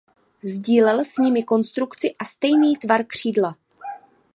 Sdílel s nimi konstrukci a stejný tvar křídla.